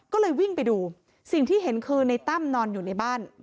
ก็เลยวิ่งไปดูสิ่งที่เห็นคือในตั้มนอนอยู่ในบ้าน